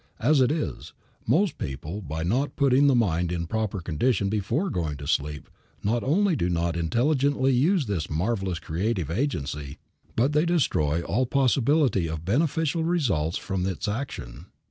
As it is, most people by not putting the mind in proper condition before going to sleep not only do not intelligently use this marvelous creative agency but they destroy all possibility of beneficial results from its action.